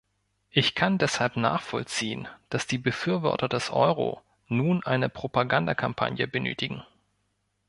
Ich kann deshalb nachvollziehen, dass die Befürworter des Euro nun eine Propagandakampagne benötigen.